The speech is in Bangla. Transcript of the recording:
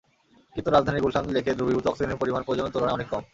কিন্তু রাজধানীর গুলশান লেকে দ্রবীভূত অক্সিজেনের পরিমাণ প্রয়োজনের তুলনায় অনেক কম।